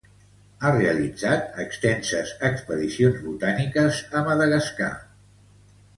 Ha realitzat extenses expedicions botàniques a Madagascar.